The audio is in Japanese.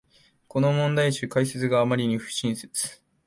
この問題集、解説があまりに不親切